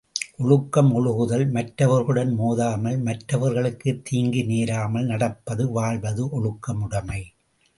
ஒழுக்கம் ஒழுகுதல், மற்றவர்களுடன் மோதாமல் மற்றவர்களுக்குத் தீங்கு நேராமல் நடப்பது வாழ்வது ஒழுக்க முடைமை.